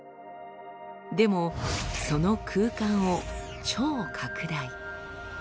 でもその空間を超拡大。